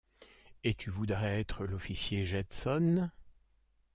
Et tu voudrais être l’officier Jetson?